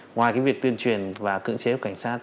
ngoài cái việc tuyên truyền và cưỡng chế cho cảnh sát